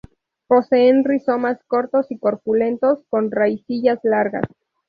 Poseen rizomas cortos y corpulentos, con raicillas largas.